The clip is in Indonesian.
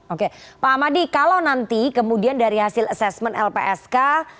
oke pak ahmadi kalau nanti kemudian dari hasil asesmen lpsk